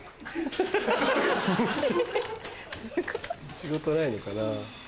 仕事ないのかな？